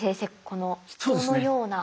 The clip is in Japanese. この人のような。